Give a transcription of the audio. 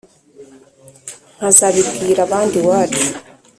nkazabibwira abandi iwacu